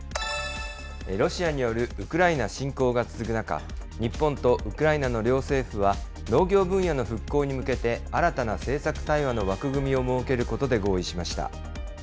ロシアによるウクライナ侵攻が続く中、日本とウクライナの両政府は農業分野の復興に向けて、新たな政策対話の枠組みを設けることで合意しました。